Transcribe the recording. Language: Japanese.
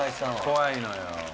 怖いのよ。